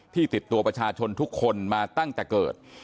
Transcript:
ติดตัวประชาชนทุกคนมาตั้งแต่เกิด